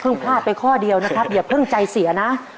พลาดไปข้อเดียวนะครับอย่าเพิ่งใจเสียนะ